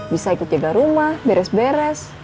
bisa ikut jaga rumah beres beres